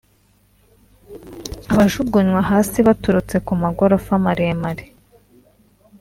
abajugunywa hasi baturutse ku magorofa maremare